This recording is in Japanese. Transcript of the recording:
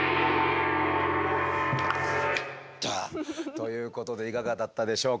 ということでいかがだったでしょうか